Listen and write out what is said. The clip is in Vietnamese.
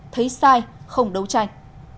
thấy sai không đấu tranh